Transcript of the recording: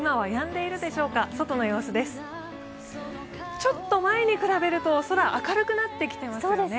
ちょっと前に比べると空、明るくなってきていますよね。